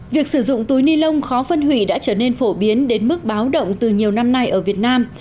việc sử dụng túi ni lông khó phân hủy đã trở nên phổ biến đến mức báo động từ nhiều năm nay ở việt nam